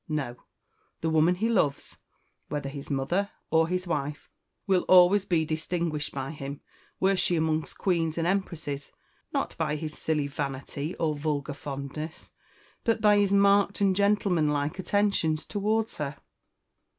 No the woman he loves, whether his mother or his wife, will always be distinguished by him, were she amongst queens and empresses, not by his silly vanity or vulgar fondness, but by his marked and gentlemanlike attentions towards her.